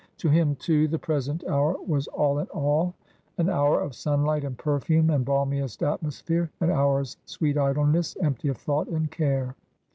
To him, too, the present hour was all in all ■— an hour of sunlight and perfume and balmiest atmosphere, an hour's sweet idleness, empty of thought and care.